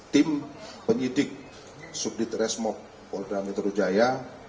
tim penyidik subdit resmob polda metro jaya